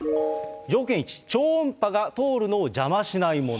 条件１、超音波が通るのを邪魔しないもの。